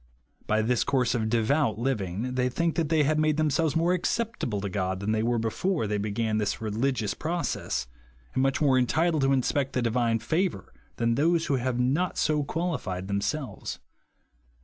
By this course of devout living they think they have made themselves more acceptable to God than they were before they began this religious process, and much more entitled to expect the divine favour than those wlio have not so qualified them I>r0 GROUND OF PEACE 1 9 selves.